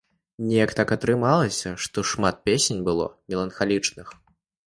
Неяк так атрымлівалася, што шмат песень было меланхалічных.